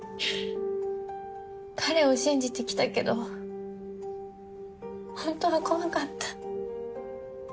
彼を信じてきたけどホントは怖かった。